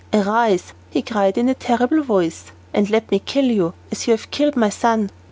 "Arise," he cried in a terrible voice, "and let me kill you as you have killed my son!"